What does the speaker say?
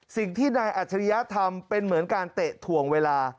สิ่งที่นายอัจฉริยะทำเป็นเหมือนการเตะถ่วงเวลา